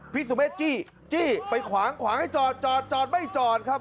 สุเมฆจี้จี้ไปขวางขวางให้จอดจอดจอดไม่จอดครับ